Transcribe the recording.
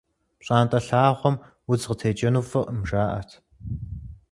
ПщӀантӀэ лъагъуэм удз къытекӀэну фӀыкъым, жаӀэрт.